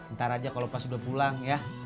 ntar aja kalau pas udah pulang ya